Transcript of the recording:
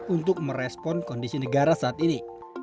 untuk merespon kondisi negara saat ini